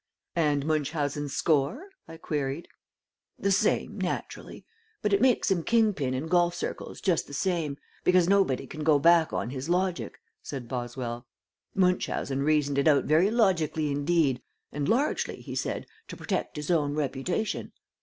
"And Munchausen's score?" I queried. "The same, naturally. But it makes him king pin in golf circles just the same, because nobody can go back on his logic," said Boswell. "Munchausen reasoned it out very logically indeed, and largely, he said, to protect his own reputation.